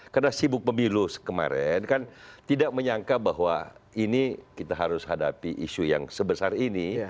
karena sibuk memilu kemarin kan tidak menyangka bahwa ini kita harus hadapi isu yang sebesar ini